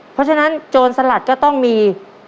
เพราะฉะนั้นโจรสลัดก็ต้องมี